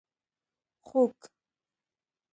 🐖 خوګ